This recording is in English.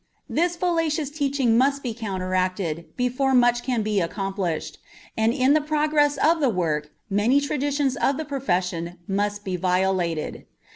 This fallacious teaching must be counteracted before much can be accomplished, and in the progress of the work many traditions of the profession must be violated.